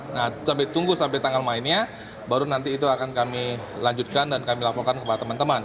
nah sampai tunggu sampai tanggal mainnya baru nanti itu akan kami lanjutkan dan kami laporkan kepada teman teman